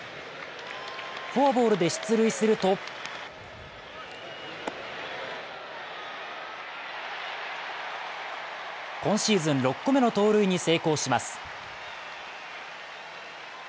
フォアボールで出塁すると今シーズン６個目の盗塁に成功します。